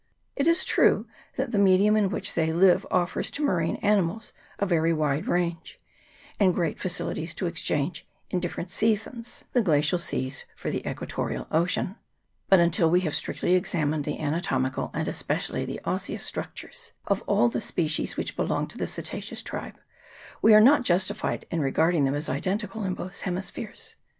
It is true that the medium in which they live offers to marine animals a very wide range, and great facili ties to exchange, in the different seasons, the glacial seas for the equatorial ocean ; but until we have strictly examined the anatomical, and especially the osseous, structures of all the species which belong to the cetaceous tribe, we are not justified in regarding them as identical in both hemispheres.